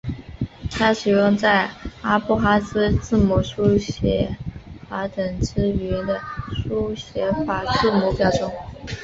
它使用在阿布哈兹字母书写法等之语言的书写法字母表中。